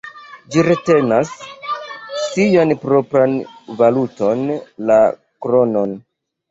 Ĝi retenas sian propran valuton, la kronon.